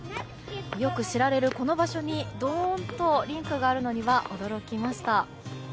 よく知られるこの場所にドーンとリンクがあるのには驚きました。